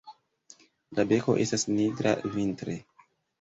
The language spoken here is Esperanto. La beko estas nigra vintre.